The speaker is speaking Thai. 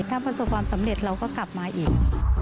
ถ้าประสบความสำเร็จเราก็กลับมาอีก